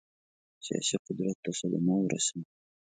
سیاسي قدرت ته صدمه ورسوي.